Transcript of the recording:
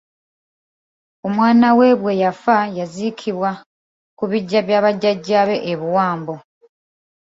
Omwana we bwe yafa yaziikibwa ku biggya bya bajjajaabe e Buwambo.